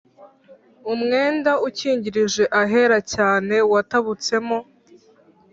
umwenda ukingirije ahera cyane watabutsemo